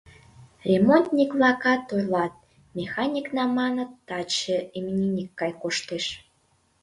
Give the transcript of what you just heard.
— Ремонтник-влакат ойлат: механикна, маныт, таче именинник гай коштеш.